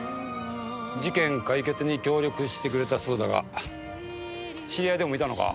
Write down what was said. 事件解決に協力してくれたそうだが知り合いでもいたのか？